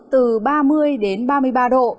từ ba mươi đến ba mươi ba độ